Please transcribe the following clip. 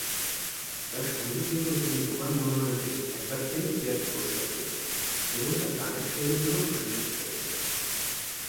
তার সংগীত জীবনে তিনি দুবার মনোনয়ন পেয়ে একবার ফিল্মফেয়ার পুরস্কার পেয়েছেন এবং তার গানের শৈলীর জন্য প্রশংসিত হয়েছেন।